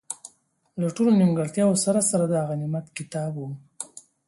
له ټولو نیمګړتیاوو سره سره، دا غنیمت کتاب وو.